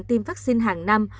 tiêm vaccine hàng năm